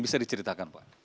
bisa diceritakan pak